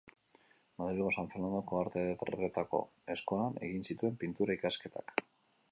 Madrilgo San Fernandoko Arte Ederretako Eskolan egin zituen Pintura ikasketak.